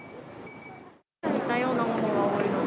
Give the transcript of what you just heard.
似たようなものが多いので。